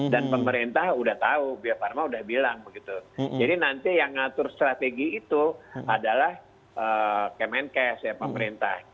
dan pemerintah sudah tahu bio farma sudah bilang begitu jadi nanti yang mengatur strategi itu adalah kemenkes pemerintah